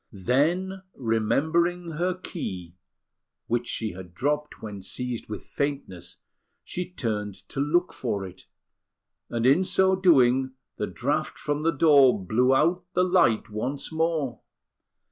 Then, remembering her key, which she had dropped when seized with faintness, she turned to look for it; and in so doing, the draught from the door blew out the light once more.